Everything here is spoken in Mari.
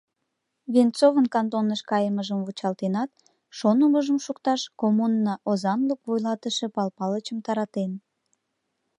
Венцовын кантоныш кайымыжым вучалтенат, шонымыжым шукташ коммуна озанлык вуйлатыше Пал Палычым таратен.